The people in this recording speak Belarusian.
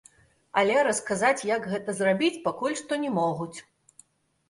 Але расказаць, як гэта зрабіць, пакуль што не могуць.